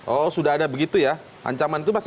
oh sudah ada begitu ya ancaman itu pasti